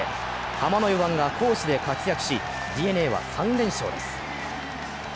ハマの４番が攻守で活躍し、ＤｅＮＡは３連勝です。